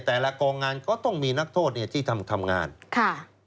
กองงานก็ต้องมีนักโทษเนี่ยที่ทำทำงานค่ะ